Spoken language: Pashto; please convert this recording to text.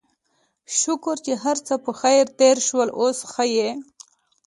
شکر چې هرڅه پخير تېر شول، اوس ښه يې؟